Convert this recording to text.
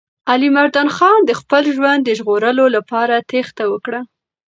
علیمردان خان د خپل ژوند د ژغورلو لپاره تېښته وکړه.